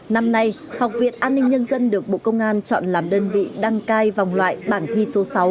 năm nay học viện an ninh nhân dân được bộ công an chọn làm đơn vị đăng cai vòng loại bảng thi số sáu